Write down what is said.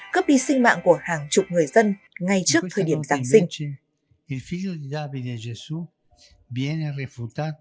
cướp đi sinh mạng của hàng chục người dân ngay trước thời điểm giáng sinh